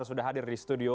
yang sudah hadir di studio